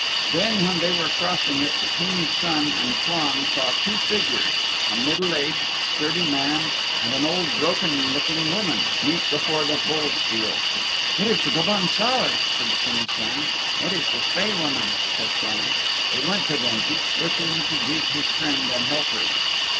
Then when they were crossing it the King's Son and Flann saw two figures a middle aged, sturdy man and an old, broken looking woman meet before the Bull's Field. "It is the Gobaun Saor," said the King's Son. "It is the Spae Woman," said Flann. They went to them, each wishing to greet his friend and helper.